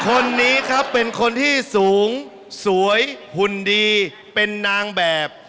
คนนี้ครับเป็นคนที่สูงสวยหุ่นดีเป็นนางแบบ